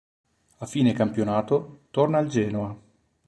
A fine campionato, torna al Genoa.